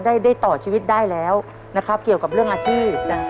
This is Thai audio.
ได้ได้ต่อชีวิตได้แล้วนะครับเกี่ยวกับเรื่องอาชีพนะฮะ